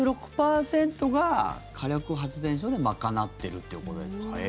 ７６％が火力発電所で賄っているということですか。